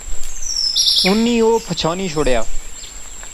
اُنی او پچھانی شوڑیا